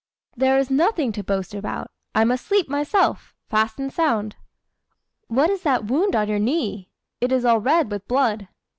"There is nothing to boast about. I'm asleep myself, fast and sound." "What is that wound on your knee? It is all red with blood."